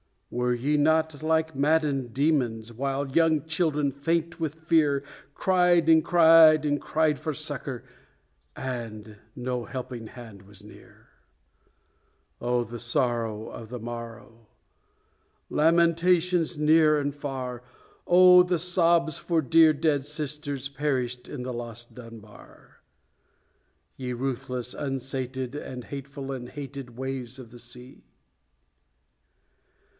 Were ye not like maddened demons while young children faint with fear Cried and cried and cried for succour, and no helping hand was near? Oh, the sorrow of the morrow! lamentations near and far! Oh, the sobs for dear dead sisters perished in the lost Dunbar! Ye ruthless, unsated, And hateful, and hated Waves of the Sea!